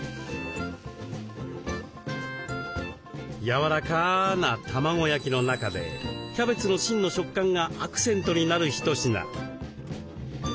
やわらかな卵焼きの中でキャベツの芯の食感がアクセントになる一品。